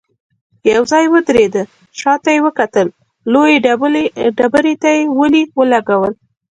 يو ځای ودرېده، شاته يې وکتل، لويې ډبرې ته يې ولي ولګول.